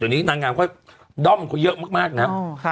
ตอนนี้นางงามก็ด้อมเขาเยอะมากนะครับ